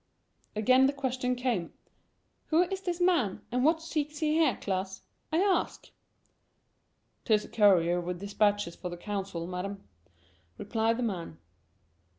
Again the question came: "Who is this man, and what seeks he here, Klas? I ask." "'T is a courier with dispatches for the council, Madam," replied the man.